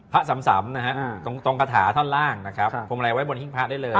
พสำตรงถาท่อนล่างคงไล่บนทิศภาพได้เลย